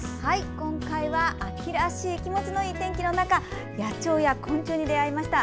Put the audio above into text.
今回は秋らしい気持ちのいい天気の中野鳥や昆虫に出会いました。